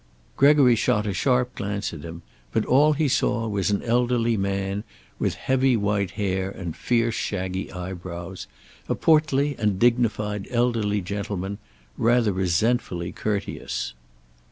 Gregory shot a sharp glance at him, but all he saw was an elderly man, with heavy white hair and fierce shaggy eyebrows, a portly and dignified elderly gentleman, rather resentfully courteous.